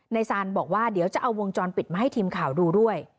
ซานบอกว่าเดี๋ยวจะเอาวงจรปิดมาให้ทีมข่าวดูด้วย